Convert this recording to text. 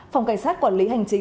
phòng cảnh sát quản lý hành chính